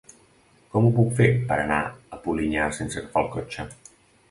Com ho puc fer per anar a Polinyà sense agafar el cotxe?